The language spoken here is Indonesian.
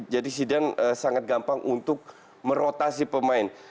jadi sidang sangat gampang untuk merotasi pemain